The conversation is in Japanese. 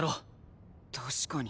確かに。